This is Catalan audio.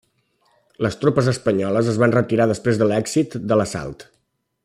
Les tropes espanyoles es van retirar després de l'èxit de l'assalt.